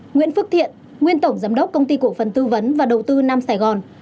nguyễn phước thiện nguyên tổng giám đốc công ty cổ phần tư vấn và đầu tư nam sài gòn